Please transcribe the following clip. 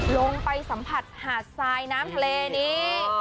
ลงไปสัมผัสหาดทรายน้ำทะเลนี้